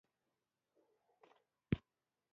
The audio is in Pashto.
ځینې خلک د خپل ژوند لومړۍ برخه داسې تېروي.